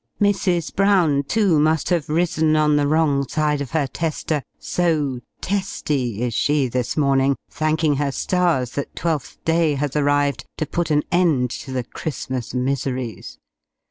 Mrs. Brown, too, must have risen on the wrong side of her teaster, so testy is she this morning thanking her stars that Twelfth day has arrived, to put an end to the Christmas miseries!